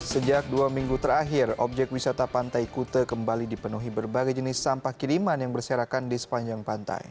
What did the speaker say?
sejak dua minggu terakhir objek wisata pantai kute kembali dipenuhi berbagai jenis sampah kiriman yang berserakan di sepanjang pantai